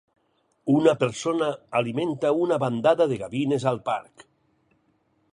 Una persona alimenta una bandada de gavines al parc.